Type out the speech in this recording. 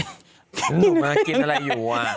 หนุ่มมากินอะไรอยู่อ่ะ